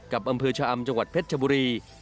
อำเภอชะอำจังหวัดเพชรชบุรี